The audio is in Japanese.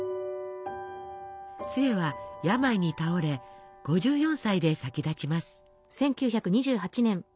壽衛は病に倒れ５４歳で先立ちます。